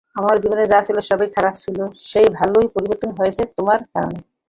আমার জীবনে যা ছিল সব খারাপ ছিল, সেটা ভালোই পরিবর্তন হয়েছে তোমার কারণে।